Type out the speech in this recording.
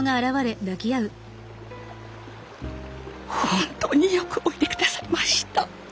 本当によくおいで下さいました。